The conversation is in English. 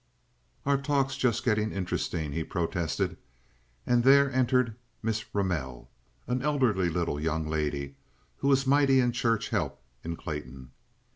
"Our talk's just getting interesting," he protested; and there entered Miss Ramell, an elderly little young lady who was mighty in Church help in Clayton.